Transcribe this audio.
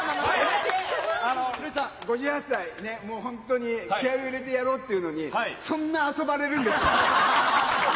５８歳、本当に気合いを入れてやろうというのに、そんな遊ばれるんですか？